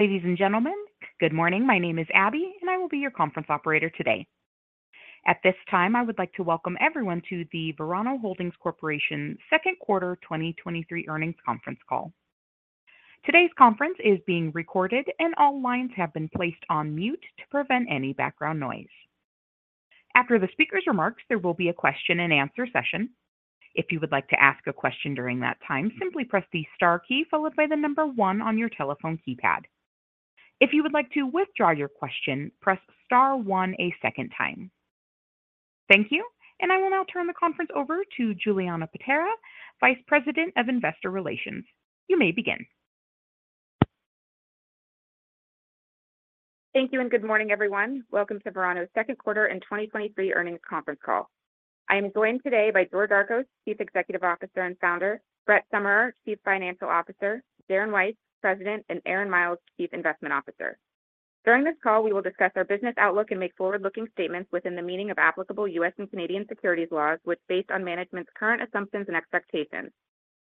Ladies and gentlemen, good morning. My name is Abby, and I will be your conference operator today. At this time, I would like to welcome everyone to the Verano Holdings Corp. Second Quarter 2023 Earnings Conference Call. Today's conference is being recorded, and all lines have been placed on mute to prevent any background noise. After the speaker's remarks, there will be a question and answer session. If you would like to ask a question during that time, simply press the star key followed by the number 1 on your telephone keypad. If you would like to withdraw your question, press star 1 a second time. Thank you, I will now turn the conference over to Julianna Paterra, Vice President of Investor Relations. You may begin. Thank you, and good morning, everyone. Welcome to Verano's second quarter and 2023 earnings conference call. I am joined today by George Archos, Chief Executive Officer and Founder; Brett Summerer, Chief Financial Officer; Darren Weiss, President; and Aaron Miles, Chief Investment Officer. During this call, we will discuss our business outlook and make forward-looking statements within the meaning of applicable U.S. and Canadian securities laws, which based on management's current assumptions and expectations.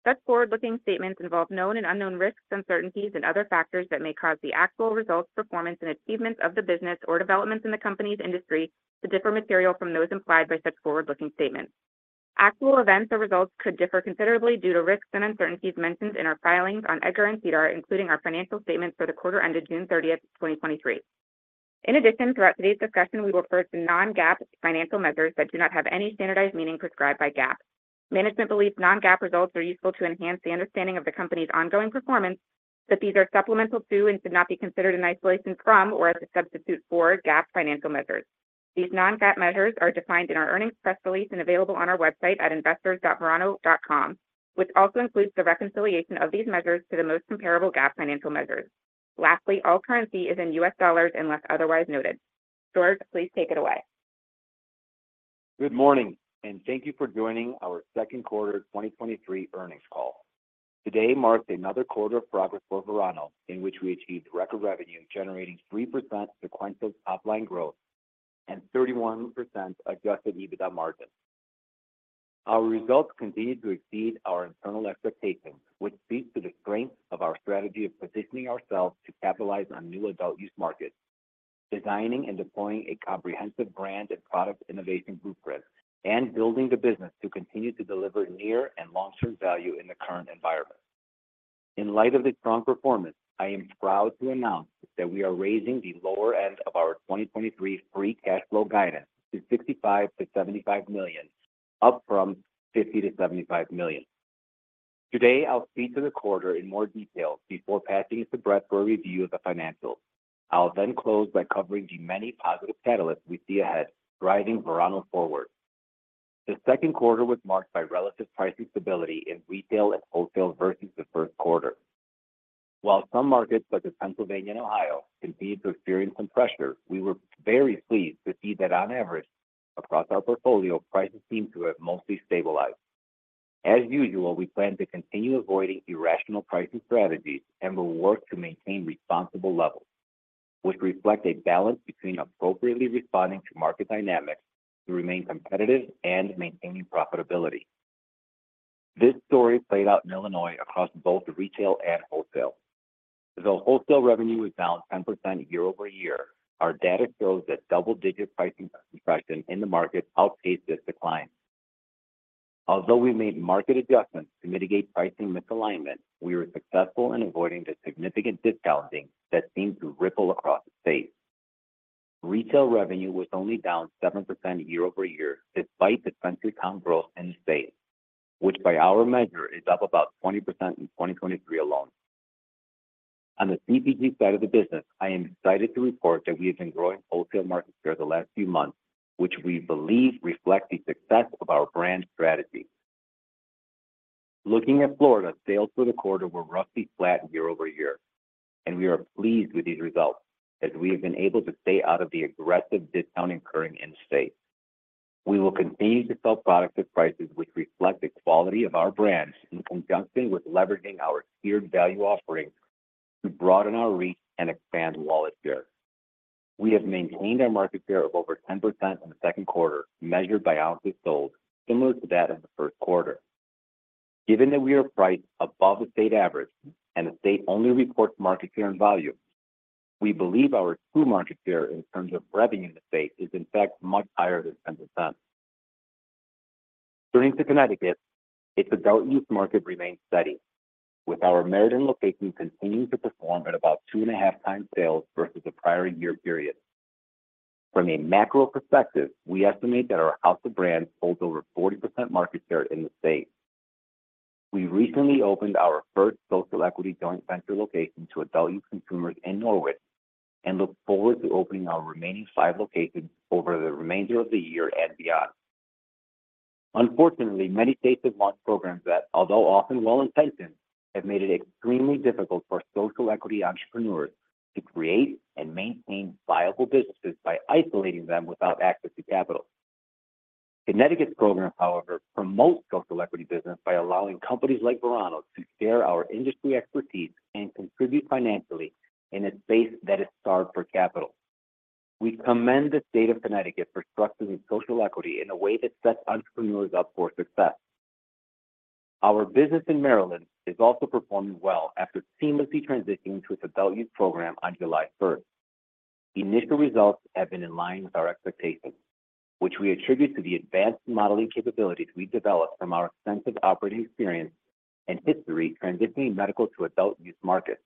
Such forward-looking statements involve known and unknown risks, uncertainties, and other factors that may cause the actual results, performance, and achievements of the business or developments in the company's industry to differ materially from those implied by such forward-looking statements. Actual events or results could differ considerably due to risks and uncertainties mentioned in our filings on EDGAR and SEDAR, including our financial statements for the quarter ended June thirtieth, 2023. In addition, throughout today's discussion, we will refer to non-GAAP financial measures that do not have any standardized meaning prescribed by GAAP. Management believes non-GAAP results are useful to enhance the understanding of the company's ongoing performance, but these are supplemental to and should not be considered in isolation from or as a substitute for GAAP financial measures. These non-GAAP measures are defined in our earnings press release and available on our website at investors.verano.com, which also includes the reconciliation of these measures to the most comparable GAAP financial measures. Lastly, all currency is in US dollars unless otherwise noted. George, please take it away. Good morning, and thank you for joining our second quarter 2023 earnings call. Today marks another quarter of progress for Verano, in which we achieved record revenue, generating 3% sequential top-line growth and 31% adjusted EBITDA margin. Our results continued to exceed our internal expectations, which speaks to the strength of our strategy of positioning ourselves to capitalize on new adult use markets, designing and deploying a comprehensive brand and product innovation blueprint, and building the business to continue to deliver near and long-term value in the current environment. In light of the strong performance, I am proud to announce that we are raising the lower end of our 2023 free cash flow guidance to $65 million-$75 million, up from $50 million-$75 million. Today, I'll speak to the quarter in more detail before passing it to Brett for a review of the financials. I'll then close by covering the many positive catalysts we see ahead, driving Verano forward. The second quarter was marked by relative pricing stability in retail and wholesale versus the first quarter. While some markets, such as Pennsylvania and Ohio, continued to experience some pressure, we were very pleased to see that on average, across our portfolio, prices seem to have mostly stabilized. As usual, we plan to continue avoiding irrational pricing strategies and will work to maintain responsible levels, which reflect a balance between appropriately responding to market dynamics to remain competitive and maintaining profitability. This story played out in Illinois across both retail and wholesale. Though wholesale revenue was down 10% year-over-year, our data shows that double-digit pricing contraction in the market outpaced this decline. Although we made market adjustments to mitigate pricing misalignment, we were successful in avoiding the significant discounting that seemed to ripple across the state. Retail revenue was only down 7% year-over-year, despite the country count growth in the state, which by our measure, is up about 20% in 2023 alone. On the CPG side of the business, I am excited to report that we have been growing wholesale market share the last few months, which we believe reflects the success of our brand strategy. Looking at Florida, sales for the quarter were roughly flat year-over-year, we are pleased with these results as we have been able to stay out of the aggressive discount occurring in the state. We will continue to sell products at prices which reflect the quality of our brands in conjunction with leveraging our tiered value offerings to broaden our reach and expand wallet share. We have maintained our market share of over 10% in the second quarter, measured by ounces sold, similar to that in the first quarter. Given that we are priced above the state average and the state only reports market share and volume, we believe our true market share in terms of revenue in the state is in fact much higher than 10%. Turning to Connecticut, its adult use market remains steady, with our Meriden location continuing to perform at about 2.5 times sales versus the prior year period. From a macro perspective, we estimate that our house of brands holds over 40% market share in the state. We recently opened our first social equity joint venture location to adult use consumers in Norwich and look forward to opening our remaining five locations over the remainder of the year and beyond. Unfortunately, many states have launched programs that, although often well-intentioned, have made it extremely difficult for social equity entrepreneurs to create and maintain viable businesses by isolating them without access to capital. Connecticut's program, however, promotes social equity business by allowing companies like Verano to share our industry expertise and contribute financially in a space that is starved for capital. We commend the State of Connecticut for structuring social equity in a way that sets entrepreneurs up for success. Our business in Maryland is also performing well after seamlessly transitioning to its adult-use program on 1st July. Initial results have been in line with our expectations, which we attribute to the advanced modeling capabilities we developed from our extensive operating experience and history transitioning medical to adult-use markets.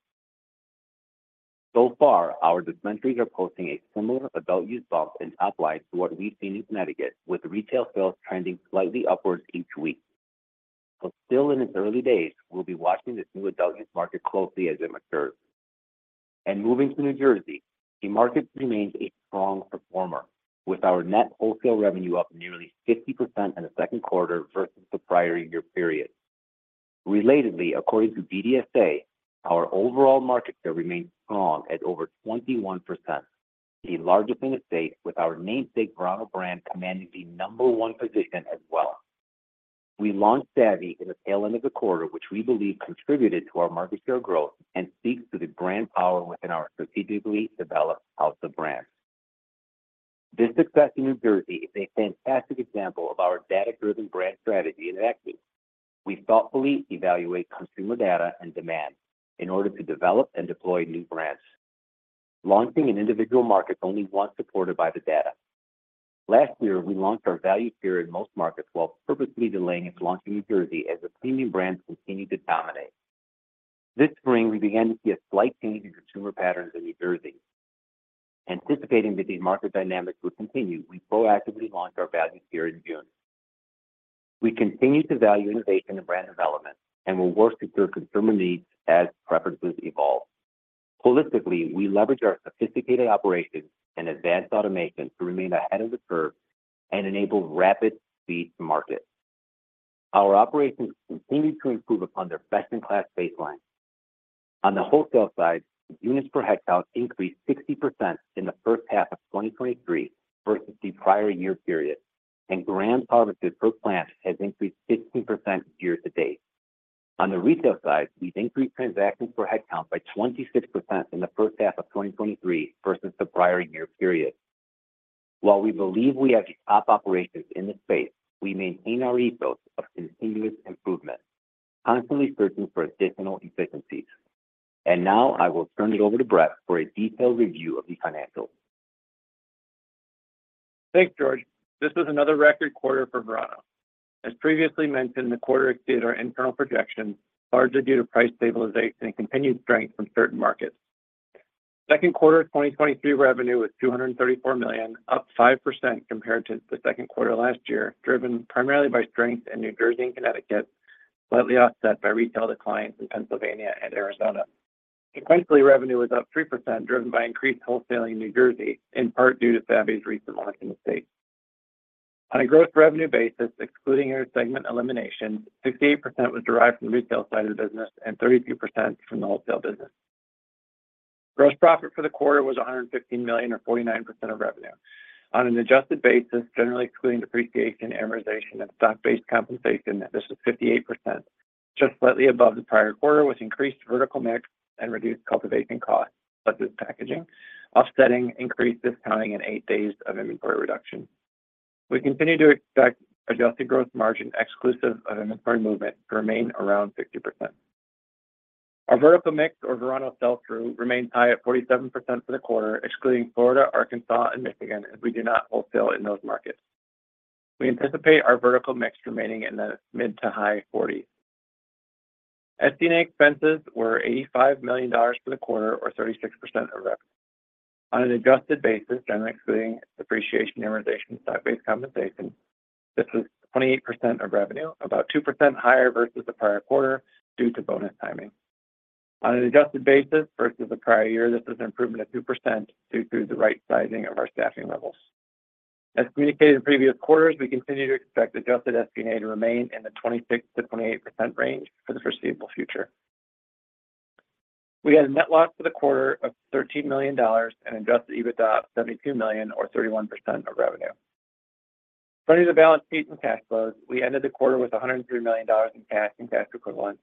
So far, our dispensaries are posting a similar adult-use bump in top line to what we've seen in Connecticut, with retail sales trending slightly upwards each week. Still, in its early days, we'll be watching this new adult-use market closely as it matures. Moving to New Jersey, the market remains a strong performer, with our net wholesale revenue up nearly 50% in the second quarter versus the prior year period. Relatedly, according to BDSA, our overall market share remains strong at over 21%, the largest in the state, with our namesake Verano brand commanding the number one position as well. We launched Savvy in the tail end of the quarter, which we believe contributed to our market share growth and speaks to the brand power within our strategically developed house of brands. This success in New Jersey is a fantastic example of our data-driven brand strategy in action. We thoughtfully evaluate consumer data and demand in order to develop and deploy new brands, launching in individual markets only once supported by the data. Last year, we launched our value tier in most markets while purposely delaying its launch in New Jersey as the premium brands continued to dominate. This spring, we began to see a slight change in consumer patterns in New Jersey. Anticipating that these market dynamics would continue, we proactively launched our value tier in June. We continue to value innovation and brand development and will work to serve consumer needs as preferences evolve. Holistically, we leverage our sophisticated operations and advanced automation to remain ahead of the curve and enable rapid speed to market. Our operations continued to improve upon their best-in-class baseline. On the wholesale side, units per headcount increased 60% in the first half of 2023 versus the prior year period, and gram harvested per plant has increased 15% year to date. On the retail side, we've increased transactions per headcount by 26% in the first half of 2023 versus the prior year period. While we believe we have the top operations in the space, we maintain our ethos of continuous improvement, constantly searching for additional efficiencies. Now I will turn it over to Brett for a detailed review of the financials. Thanks, George. This was another record quarter for Verano. As previously mentioned, the quarter exceeded our internal projections, largely due to price stabilization and continued strength from certain markets. Second quarter of 2023 revenue was $234 million, up 5% compared to the second quarter last year, driven primarily by strength in New Jersey and Connecticut, slightly offset by retail declines in Pennsylvania and Arizona. The quarterly revenue was up 3%, driven by increased wholesaling in New Jersey, in part due to Savvy's recent launch in the state. On a gross revenue basis, excluding our segment elimination, 68% was derived from the retail side of the business and 32% from the wholesale business. Gross profit for the quarter was $115 million, or 49% of revenue. On an adjusted basis, generally excluding depreciation, amortization, and stock-based compensation, this was 58%, just slightly above the prior quarter, with increased vertical mix and reduced cultivation costs, plus its packaging, offsetting increased discounting and eight days of inventory reduction. We continue to expect adjusted gross margin, exclusive of inventory movement, to remain around 50%. Our vertical mix, or Verano sell-through, remained high at 47% for the quarter, excluding Florida, Arkansas, and Michigan, as we do not wholesale in those markets. We anticipate our vertical mix remaining in the mid to high 40s. SG&A expenses were $85 million for the quarter, or 36% of revenue. On an adjusted basis, generally excluding depreciation, amortization, and stock-based compensation, this was 28% of revenue, about 2% higher versus the prior quarter due to bonus timing. On an adjusted basis versus the prior year, this is an improvement of 2% due to the right sizing of our staffing levels. As communicated in previous quarters, we continue to expect adjusted SG&A to remain in the 26%-28% range for the foreseeable future. We had a net loss for the quarter of $13 million and adjusted EBITDA of $72 million, or 31% of revenue. Turning to the balance sheet and cash flows, we ended the quarter with $103 million in cash and cash equivalents.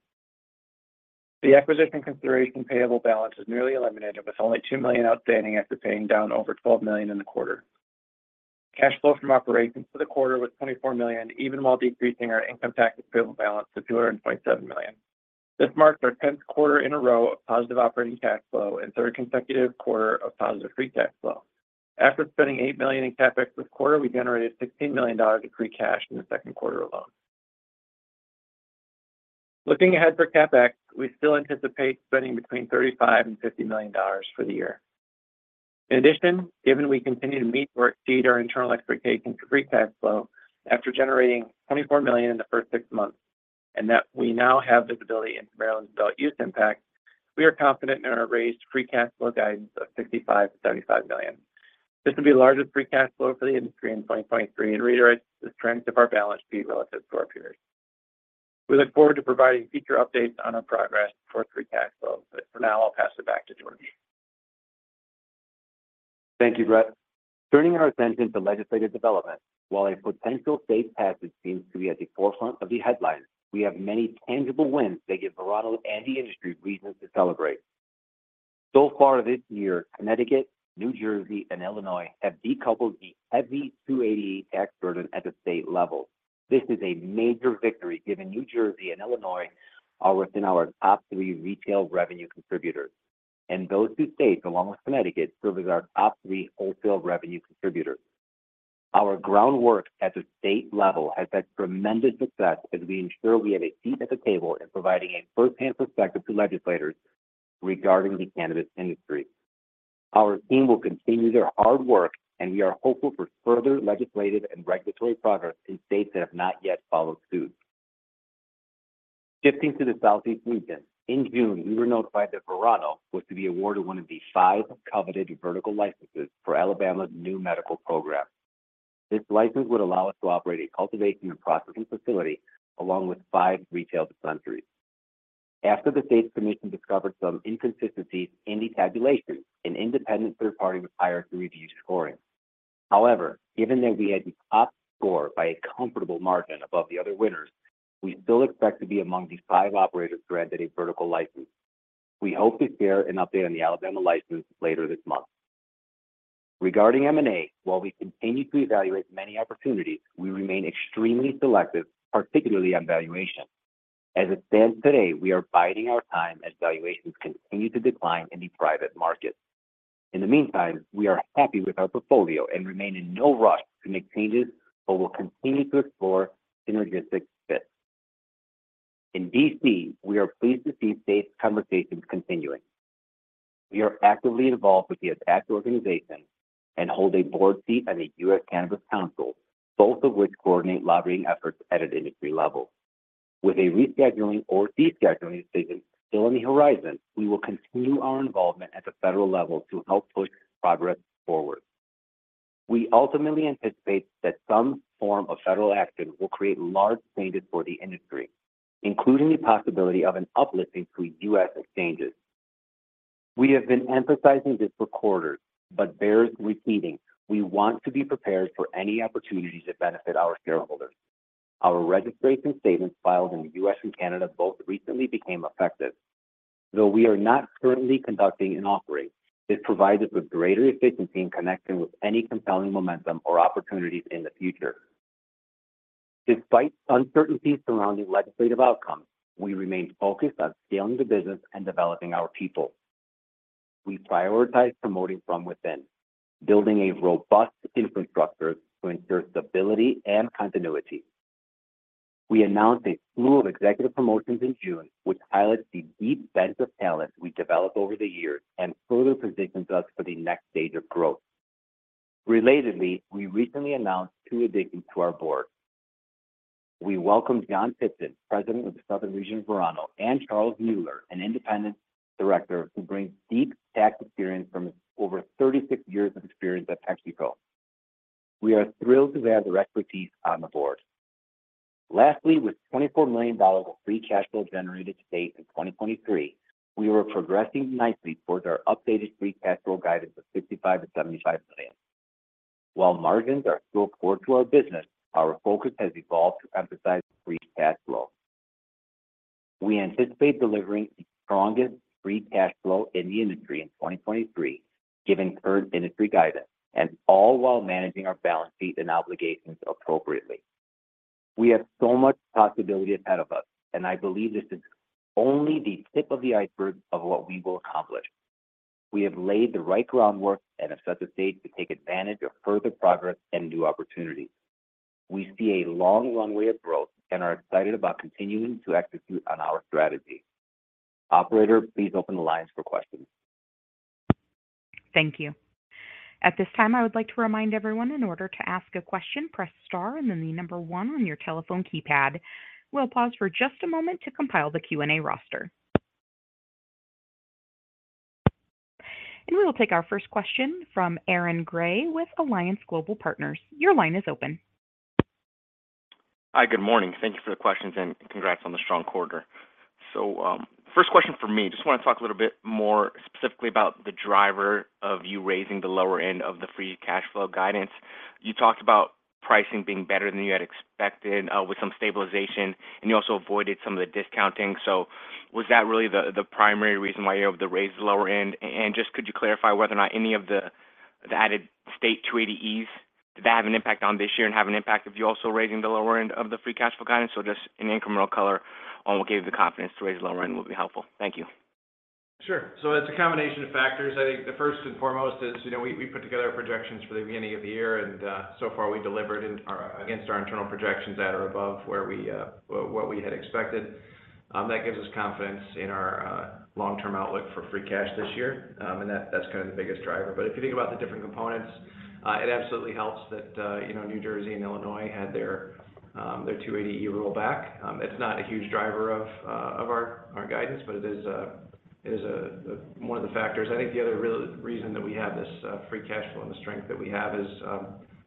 The acquisition consideration payable balance is nearly eliminated, with only $2 million outstanding after paying down over $12 million in the quarter. Cash flow from operations for the quarter was $24 million, even while decreasing our income tax payable balance to $227 million. This marks our 10th quarter in a row of positive operating cash flow and third consecutive quarter of positive free cash flow. After spending $8 million in CapEx this quarter, we generated $16 million of free cash in the second quarter alone. Looking ahead for CapEx, we still anticipate spending between $35 million-$50 million for the year. In addition, given we continue to meet or exceed our internal expectations for free cash flow after generating $24 million in the first 6 months, and that we now have visibility into Maryland's adult-use impact, we are confident in our raised free cash flow guidance of $65 million-$75 million. This will be the largest free cash flow for the industry in 2023 and reiterates the strength of our balance sheet relative to our peers. We look forward to providing future updates on our progress for free cash flow. For now, I'll pass it back to George. Thank you, Brett. Turning our attention to legislative developments, while a potential SAFE passage seems to be at the forefront of the headlines, we have many tangible wins that give Verano and the industry reasons to celebrate. So far this year, Connecticut, New Jersey, and Illinois have decoupled the heavy 280E tax burden at the state level. This is a major victory, given New Jersey and Illinois are within our top three retail revenue contributors. Those two states, along with Connecticut, serve as our top three wholesale revenue contributors. Our groundwork at the state level has had tremendous success as we ensure we have a seat at the table in providing a firsthand perspective to legislators regarding the cannabis industry. Our team will continue their hard work, and we are hopeful for further legislative and regulatory progress in states that have not yet followed suit. Shifting to the Southeast region, in June, we were notified that Verano was to be awarded one of the five coveted vertical licenses for Alabama's new medical program. This license would allow us to operate a cultivation and processing facility, along with five retail dispensaries. After the state's commission discovered some inconsistencies in the tabulation, an independent third party was hired to review the scoring. Given that we had the top score by a comfortable margin above the other winners, we still expect to be among the five operators granted a vertical license. We hope to share an update on the Alabama license later this month. Regarding M&A, while we continue to evaluate many opportunities, we remain extremely selective, particularly on valuation. As it stands today, we are biding our time as valuations continue to decline in the private market. In the meantime, we are happy with our portfolio and remain in no rush to make changes, but we'll continue to explore synergistic fits. In D.C., we are pleased to see these conversations continuing. We are actively involved with the ATACH organization and hold a board seat on the U.S. Cannabis Council, both of which coordinate lobbying efforts at an industry level. With a rescheduling or descheduling decision still on the horizon, we will continue our involvement at the federal level to help push progress forward. We ultimately anticipate that some form of federal action will create large changes for the industry, including the possibility of an uplifting to U.S. exchanges. We have been emphasizing this for quarters, but bears repeating. We want to be prepared for any opportunities that benefit our shareholders. Our registration statements filed in the U.S. and Canada both recently became effective. Though we are not currently conducting an operate, this provides us with greater efficiency in connecting with any compelling momentum or opportunities in the future. Despite uncertainties surrounding legislative outcomes, we remain focused on scaling the business and developing our people. We prioritize promoting from within, building a robust infrastructure to ensure stability and continuity. We announced a slew of executive promotions in June, which highlights the deep bench of talent we developed over the years and further positions us for the next stage of growth. Relatedly, we recently announced two additions to our board. We welcomed John Tipton, President of the Southern Region of Verano, and Charles Mueller, an independent director who brings deep tax experience from his over 36 years of experience at PepsiCo. We are thrilled to have their expertise on the board. Lastly, with $24 million of free cash flow generated to date in 2023, we were progressing nicely towards our updated free cash flow guidance of $55 million-$75 million. While margins are still core to our business, our focus has evolved to emphasize free cash flow. We anticipate delivering the strongest free cash flow in the industry in 2023, given current industry guidance, and all while managing our balance sheet and obligations appropriately. We have so much possibility ahead of us, and I believe this is only the tip of the iceberg of what we will accomplish. We have laid the right groundwork and have set the stage to take advantage of further progress and new opportunities. We see a long, long way of growth and are excited about continuing to execute on our strategy. Operator, please open the lines for questions. Thank you. At this time, I would like to remind everyone, in order to ask a question, press Star and then the number One on your telephone keypad. We'll pause for just a moment to compile the Q&A roster. We will take our first question from Aaron Grey with Alliance Global Partners. Your line is open. Hi, good morning. Thank you for the questions, congrats on the strong quarter. First question for me, just want to talk a little bit more specifically about the driver of you raising the lower end of the free cash flow guidance. You talked about pricing being better than you had expected, with some stabilization, you also avoided some of the discounting. Was that really the primary reason why you have to raise the lower end? Just could you clarify whether or not any of the added state 280E's, did that have an impact on this year and have an impact of you also raising the lower end of the free cash flow guidance? Just an incremental color on what gave you the confidence to raise the lower end would be helpful. Thank you. Sure. It's a combination of factors. I think the first and foremost is, you know, we, we put together projections for the beginning of the year, and so far, we delivered in our against our internal projections at or above where we what we had expected. That gives us confidence in our long-term outlook for free cash this year. That, that's kind of the biggest driver. If you think about the different components, it absolutely helps that, you know, New Jersey and Illinois had their 280E roll back. It's not a huge driver of of our, our guidance, but it is, it is one of the factors. I think the other real reason that we have this free cash flow and the strength that we have is,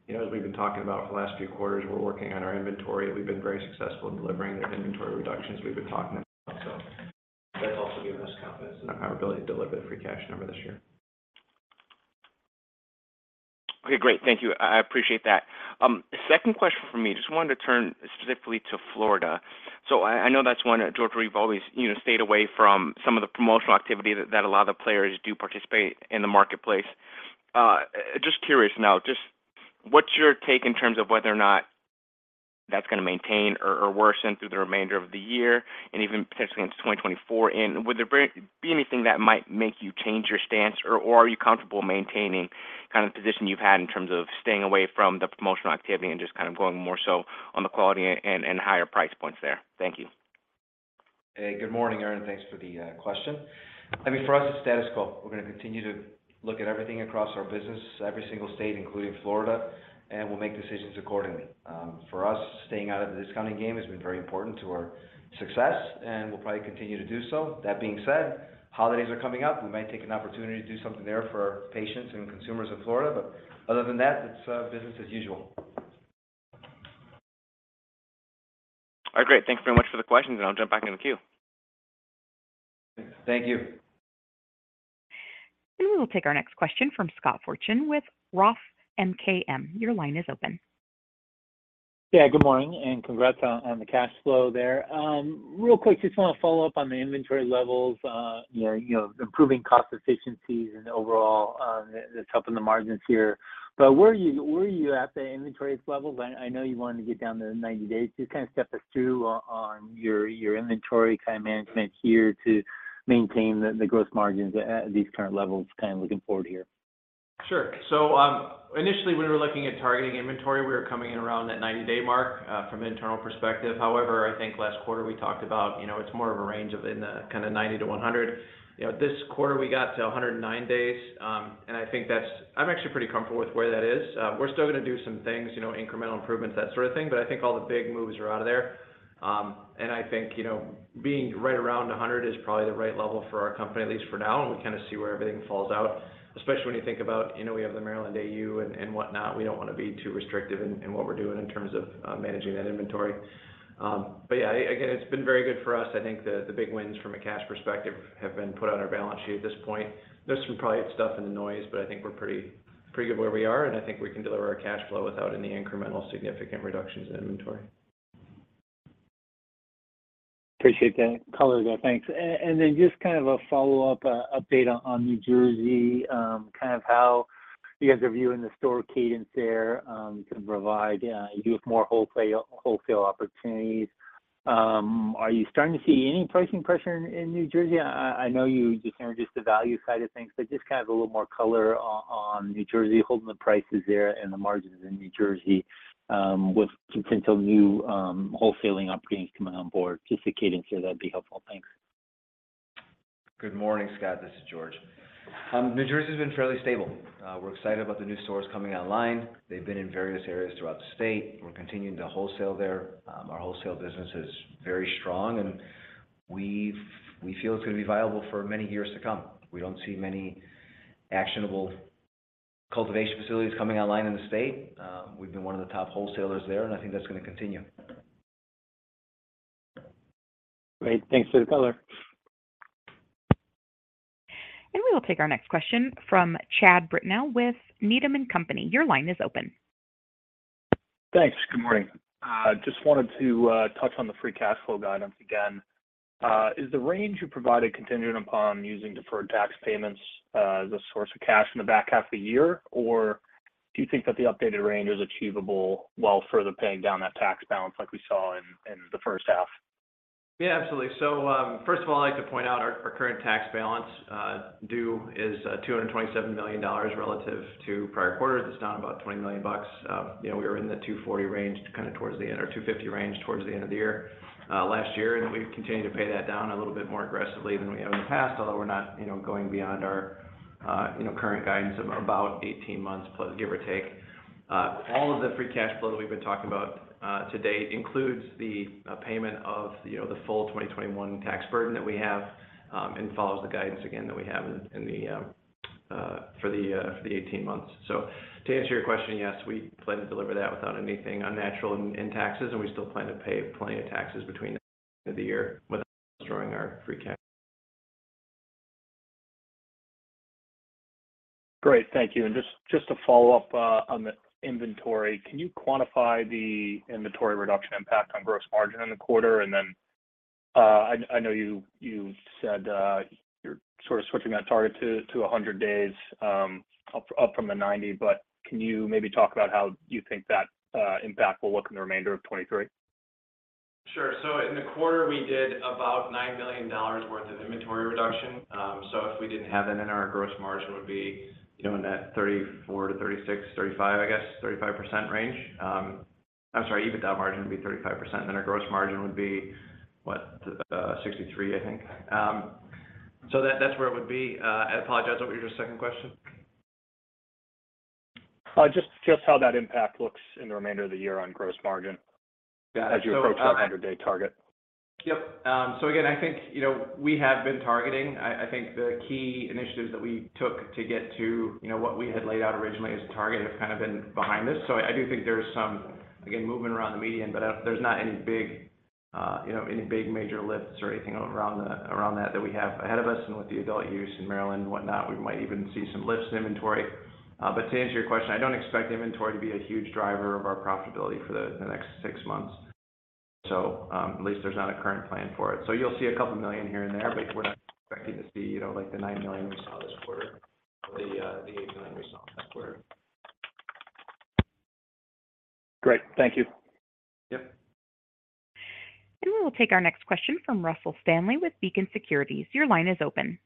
you know, as we've been talking about for the last few quarters, we're working on our inventory. We've been very successful in delivering the inventory reductions we've been talking about. That's also given us confidence in our ability to deliver the free cash number this year. Okay, great. Thank you. I appreciate that. Second question for me, just wanted to turn specifically to Florida. I, I know that's one, George, where you've always, you know, stayed away from some of the promotional activity that, that a lot of the players do participate in the marketplace. Just curious now, just what's your take in terms of whether or not that's gonna maintain or, or worsen through the remainder of the year and even potentially into 2024? Would there be, be anything that might make you change your stance, or, or are you comfortable maintaining kind of the position you've had in terms of staying away from the promotional activity and just kind of going more so on the quality and, and, and higher price points there? Thank you. Hey, good morning, Aaron. Thanks for the question. I mean, for us, it's status quo. We're gonna continue to look at everything across our business, every single state, including Florida, we'll make decisions accordingly. For us, staying out of the discounting game has been very important to our success, and we'll probably continue to do so. That being said, holidays are coming up. We might take an opportunity to do something there for our patients and consumers in Florida, other than that, it's business as usual. All right, great. Thanks very much for the questions, and I'll jump back in the queue. Thank you. We will take our next question from Scott Fortune with Roth MKM. Your line is open. Yeah, good morning, and congrats on, on the cash flow there. Real quick, just want to follow up on the inventory levels, you know, you know, improving cost efficiencies and overall, that's helping the margins here. Where are you, where are you at the inventories levels? I, I know you wanted to get down to 90 days. Just kind of step us through on your, your inventory kind of management here to maintain the, the gross margins at, at these current levels, kind of looking forward here. Sure. Initially, when we were looking at targeting inventory, we were coming in around that 90-day mark from an internal perspective. However, I think last quarter we talked about, you know, it's more of a range of in the 90-100. You know, this quarter, we got to 109 days, and I think that's-- I'm actually pretty comfortable with where that is. We're still gonna do some things, you know, incremental improvements, that sort of thing, but I think all the big moves are out of there. And I think, you know, being right around 100 is probably the right level for our company, at least for now, and we kind of see where everything falls out, especially when you think about, you know, we have the Maryland AU and, and whatnot. We don't want to be too restrictive in, in what we're doing in terms of managing that inventory. But yeah, again, it's been very good for us. I think the, the big wins from a cash perspective have been put on our balance sheet at this point. There's some probably stuff in the noise, but I think we're pretty, pretty good where we are, and I think we can deliver our cash flow without any incremental significant reductions in inventory. Appreciate that color there. Thanks. Then just kind of a follow-up update on New Jersey, kind of how you guys are viewing the store cadence there, to provide you with more wholesale, wholesale opportunities. Are you starting to see any pricing pressure in New Jersey? I, I know you just heard just the value side of things, but just kind of a little more color on New Jersey, holding the prices there and the margins in New Jersey, with potential new wholesaling opportunities coming on board. Just the cadence there, that'd be helpful. Thanks. Good morning, Scott Fortune, this is George Archos. New Jersey has been fairly stable. We're excited about the new stores coming online. They've been in various areas throughout the state. We're continuing to wholesale there. Our wholesale business is very strong, and we feel it's going to be viable for many years to come. We don't see many actionable cultivation facilities coming online in the state. We've been one of the top wholesalers there, and I think that's going to continue. Great. Thanks for the color. We will take our next question from Chad Brandell with Needham & Company. Your line is open. Thanks. Good morning. Just wanted to touch on the free cash flow guidance again. Is the range you provided contingent upon using deferred tax payments as a source of cash in the back half of the year? Or do you think that the updated range is achievable while further paying down that tax balance like we saw in, in the first half? Yeah, absolutely. First of all, I'd like to point out our, our current tax balance due is $227 million relative to prior quarters. It's down about $20 million bucks. You know, we were in the $240 range kind of towards the end, or $250 range, towards the end of the year last year, and we've continued to pay that down a little bit more aggressively than we have in the past, although we're not, you know, going beyond our, you know, current guidance of about 18 months, plus, give or take. All of the free cash flow that we've been talking about, to date includes the payment of, you know, the full 2021 tax burden that we have, and follows the guidance again, that we have in, in the, for the, for the 18 months. To answer your question, yes, we plan to deliver that without anything unnatural in, in taxes, and we still plan to pay plenty of taxes between the end of the year without destroying our free cash. Great. Thank you. Just, just to follow up on the inventory, can you quantify the inventory reduction impact on gross margin in the quarter? Then, I, I know you, you said you're sort of switching that target to, to 100 days, up, up from the 90, but can you maybe talk about how you think that impact will look in the remainder of 2023? Sure. In the quarter, we did about $9 million worth of inventory reduction. If we didn't have that in, our gross margin would be, you know, in that 34%-36%, 35%, I guess, 35% range. I'm sorry, EBITDA margin would be 35%, then our gross margin would be, what? 63%, I think. That, that's where it would be. I apologize, what was your second question? Just how that impact looks in the remainder of the year on gross margin- Got it.... as you approach that 100-day target. Yep. Again, I think, you know, we have been targeting. I, I think the key initiatives that we took to get to, you know, what we had laid out originally as a target have kind of been behind this. I do think there's some, again, movement around the median, but there's not any big, you know, any big major lifts or anything around the, around that, that we have ahead of us. With the adult use in Maryland and whatnot, we might even see some lifts in inventory. To answer your question, I don't expect inventory to be a huge driver of our profitability for the, the next six months. At least there's not a current plan for it. You'll see $2 million here and there, but we're not expecting to see, you know, like the $9 million we saw this quarter, or the $8 million we saw last quarter. Great. Thank you. Yep. We will take our next question from Russell Stanley with Beacon Securities. Your line is open.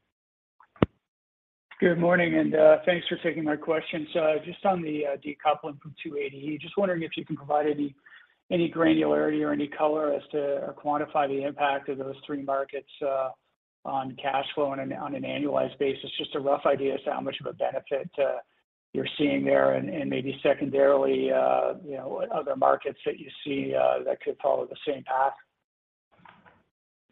Good morning, and thanks for taking my questions. Just on the decoupling from 280E, just wondering if you can provide any, any granularity or any color as to, or quantify the impact of those three markets on cash flow on an annualized basis? Just a rough idea as to how much of a benefit you're seeing there, and maybe secondarily, you know, what other markets that you see that could follow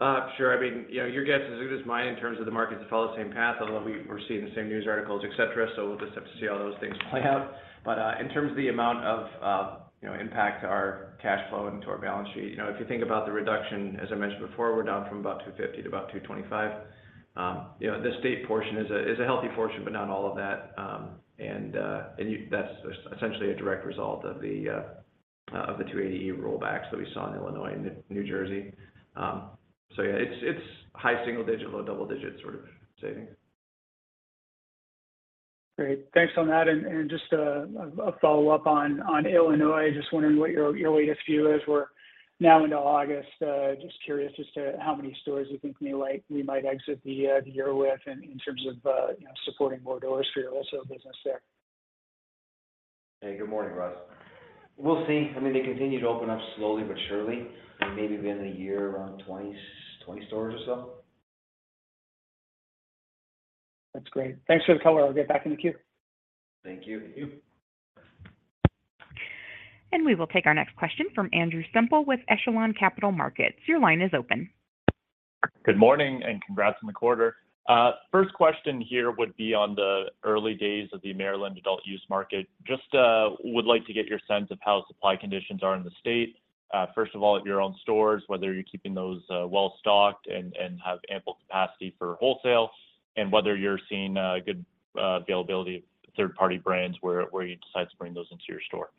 the same path. Sure. I mean, you know, your guess is as good as mine in terms of the markets that follow the same path, although we're seeing the same news articles, et cetera, so we'll just have to see how those things play out. In terms of the amount of, you know, impact to our cash flow and to our balance sheet, you know, if you think about the reduction, as I mentioned before, we're down from about $250 to about $225. You know, the state portion is a, is a healthy portion, but not all of that, and you. That's essentially a direct result of the 280E rollbacks that we saw in Illinois and New Jersey. Yeah, it's, it's high single-digit, low double-digit sort of savings. Great. Thanks on that, and just a follow-up on Illinois. Just wondering what your latest view is. We're now into August, just curious as to how many stores you think you might exit the year with in terms of, you know, supporting more doors for your wholesale business there? Hey, good morning, Russ. We'll see. I mean, they continue to open up slowly but surely, maybe the end of the year, around 20, 20 stores or so. That's great. Thanks for the color. I'll get back in the queue. Thank you. Thank you. We will take our next question from Andrew Semple with Echelon Capital Markets. Your line is open. Good morning, and congrats on the quarter. First question here would be on the early days of the Maryland adult-use market. Just, would like to get your sense of how supply conditions are in the state. First of all, at your own stores, whether you're keeping those well-stocked and, and have ample capacity for wholesale, and whether you're seeing good availability of third-party brands where, where you decide to bring those into your store?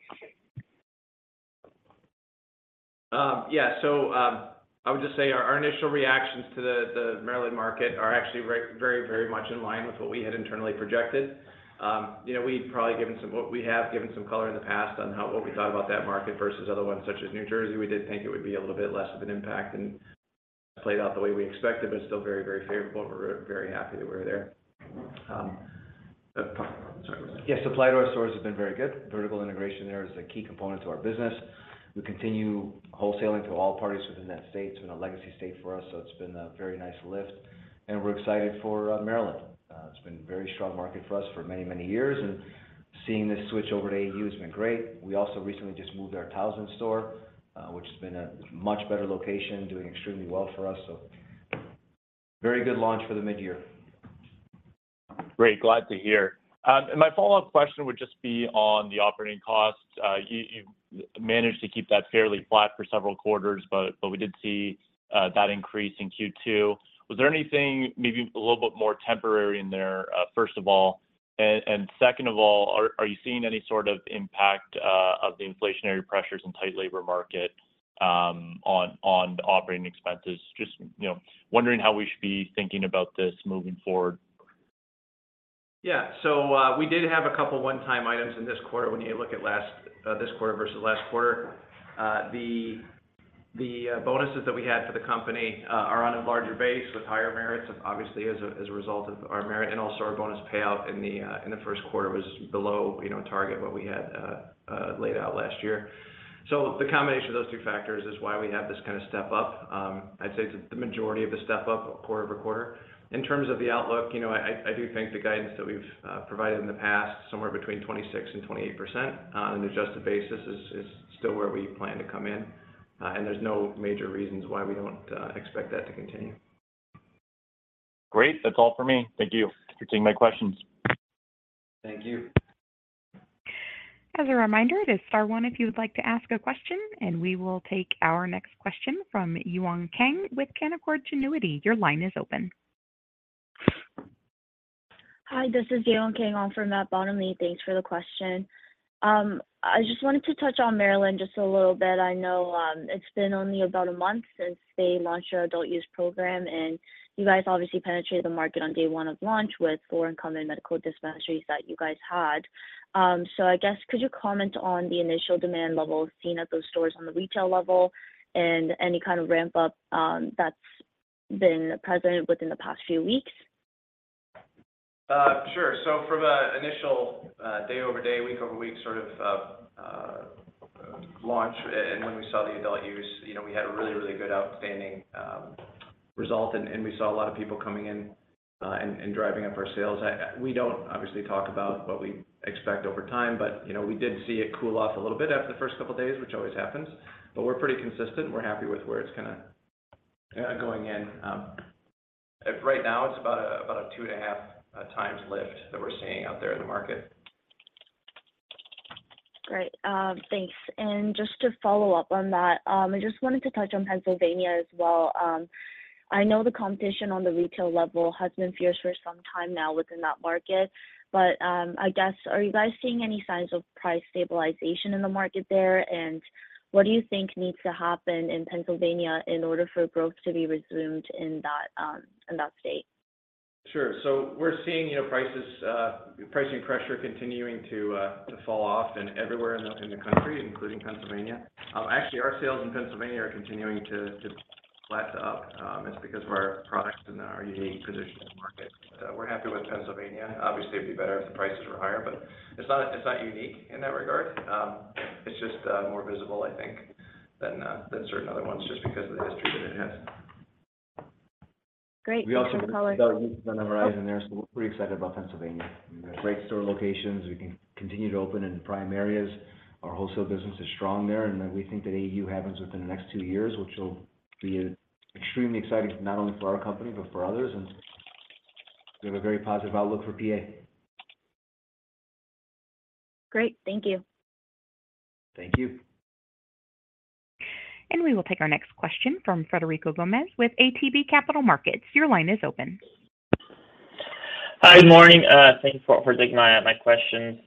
Yeah. I would just say our, our initial reactions to the, the Maryland market are actually very, very, very much in line with what we had internally projected. You know, we've probably given some, well, we have given some color in the past on how, what we thought about that market versus other ones, such as New Jersey. We did think it would be a little bit less of an impact and played out the way we expected, but still very, very favorable. We're very happy that we're there. Sorry. Yeah, supply to our stores has been very good. Vertical integration there is a key component to our business. We continue wholesaling to all parties within that state. It's been a legacy state for us, so it's been a very nice lift, and we're excited for Maryland. It's been a very strong market for us for many, many years, and seeing this switch over to AU has been great. We also recently just moved our Towson store, which has been a much better location, doing extremely well for us, so very good launch for the mid-year. Great, glad to hear. My follow-up question would just be on the operating costs. You, you managed to keep that fairly flat for several quarters, but we did see that increase in Q2. Was there anything maybe a little bit more temporary in there, first of all, and second of all, are you seeing any sort of impact of the inflationary pressures and tight labor market on the operating expenses? Just, you know, wondering how we should be thinking about this moving forward. Yeah. We did have a couple one-time items in this quarter. When you look at last, this quarter versus last quarter, the, the, bonuses that we had for the company, are on a larger base with higher merits, obviously, as a, as a result of our merit and also our bonus payout in the first quarter was below, you know, target, what we had, laid out last year. The combination of those two factors is why we have this kind of step up. I'd say it's the majority of the step up quarter-over-quarter. In terms of the outlook, you know, I do think the guidance that we've provided in the past, somewhere between 26% and 28%, on an adjusted basis, is, is still where we plan to come in. There's no major reasons why we don't expect that to continue. Great. That's all for me. Thank you for taking my questions. Thank you. As a reminder, it is star one if you would like to ask a question, and we will take our next question from Yewon Kang with Canaccord Genuity. Your line is open. Hi, this is Yewon Kang for Matt Bottomley. Thanks for the question. I just wanted to touch on Maryland just a little bit. I know, it's been only about a month since they launched their adult-use program, and you guys obviously penetrated the market on day one of launch with four incumbent medical dispensaries that you guys had. I guess, could you comment on the initial demand levels seen at those stores on the retail level and any kind of ramp-up that's been present within the past few weeks? Sure. From an initial day-over-day, week-over-week sort of launch, when we saw the adult use, you know, we had a really, really good outstanding result, and we saw a lot of people coming in and driving up our sales. We don't obviously talk about what we expect over time, you know, we did see it cool off a little bit after the first couple of days, which always happens. We're pretty consistent. We're happy with where it's kinda going in. Right now it's about a, about a 2.5 times lift that we're seeing out there in the market. Great, thanks. Just to follow up on that, I just wanted to touch on Pennsylvania as well. I know the competition on the retail level has been fierce for some time now within that market, but, I guess, are you guys seeing any signs of price stabilization in the market there? What do you think needs to happen in Pennsylvania in order for growth to be resumed in that, in that state? We're seeing, you know, prices, pricing pressure continuing to fall off and everywhere in the country, including Pennsylvania. Actually, our sales in Pennsylvania are continuing to flat to up. It's because of our products and our unique position in the market. We're happy with Pennsylvania. Obviously, it'd be better if the prices were higher, but it's not, it's not unique in that regard. It's just more visible, I think, than certain other ones, just because of the history that it has. Great. Thank you. We also have a number of items in there, so we're pretty excited about Pennsylvania. We have great store locations. We can continue to open in prime areas. Our wholesale business is strong there. We think that AU happens within the next two years, which will be extremely exciting, not only for our company, but for others. We have a very positive outlook for PA. Great. Thank you. Thank you. We will take our next question from Frederico Gomes with ATB Capital Markets. Your line is open. Hi, good morning. Thank you for, for taking my, my questions.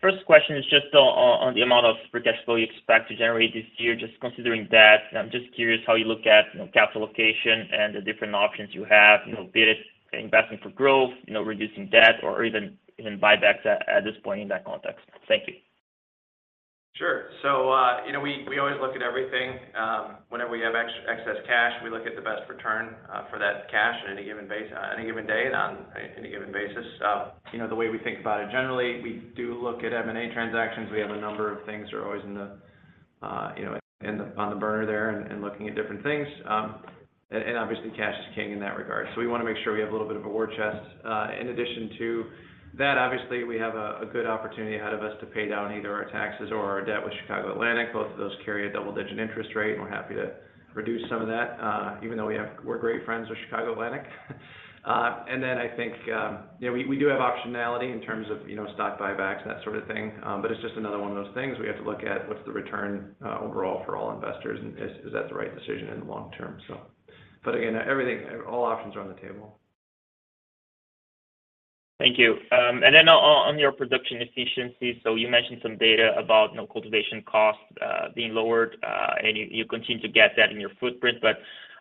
First question is just on, on the amount of free cash flow you expect to generate this year, just considering debt. I'm just curious how you look at, you know, capital location and the different options you have, you know, be it investing for growth, you know, reducing debt, or even, even buybacks at, at this point in that context. Thank you. Sure. You know, we, we always look at everything. Whenever we have excess cash, we look at the best return for that cash in any given base, any given day, and on any given basis. You know, the way we think about it, generally, we do look at M&A transactions. We have a number of things are always in the, you know, in the, on the burner there and looking at different things. Obviously, cash is king in that regard, so we want to make sure we have a little bit of a war chest. Obviously, we have a good opportunity ahead of us to pay down either our taxes or our debt with Chicago Atlantic. Both of those carry a double-digit interest rate, and we're happy to reduce some of that, even though we're great friends with Chicago Atlantic. Then I think, you know, we, we do have optionality in terms of, you know, stock buybacks, that sort of thing, but it's just another one of those things we have to look at what's the return overall for all investors, and is, is that the right decision in the long term? Again, everything, all options are on the table. Thank you. Then on, on, on your production efficiency, so you mentioned some data about, you know, cultivation costs being lowered, and you, you continue to get that in your footprint.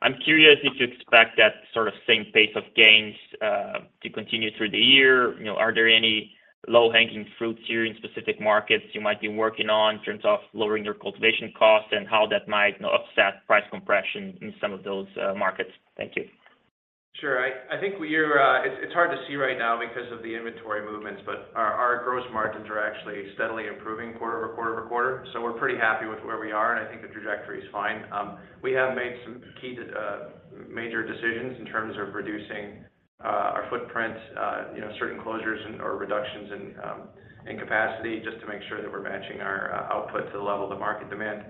I'm curious if you expect that sort of same pace of gains to continue through the year. You know, are there any low-hanging fruits here in specific markets you might be working on in terms of lowering your cultivation costs and how that might, you know, offset price compression in some of those markets? Thank you. Sure. I, I think we're, it's, it's hard to see right now because of the inventory movements, but our, our gross margins are actually steadily improving quarter over quarter over quarter, so we're pretty happy with where we are, and I think the trajectory is fine. We have made some key, major decisions in terms of reducing, our footprint, you know, certain closures and/or reductions in, in capacity, just to make sure that we're matching our, output to the level of the market demand.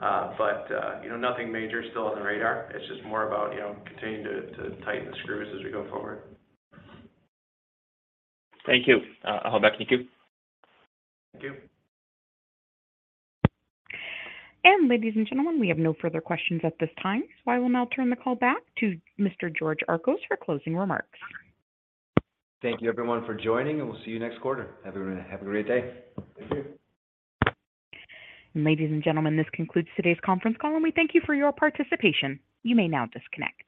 You know, nothing major still on the radar. It's just more about, you know, continuing to, to tighten the screws as we go forward. Thank you. I'll back to you. Thank you. Ladies and gentlemen, we have no further questions at this time, so I will now turn the call back to Mr. George Archos for closing remarks. Thank you, everyone, for joining, and we'll see you next quarter. Have a great day. Thank you. Ladies and gentlemen, this concludes today's conference call, and we thank you for your participation. You may now disconnect.